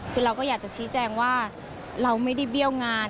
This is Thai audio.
คือเราก็อยากจะชี้แจงว่าเราไม่ได้เบี้ยวงาน